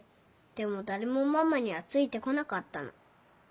でも誰もママにはついて来なかったの。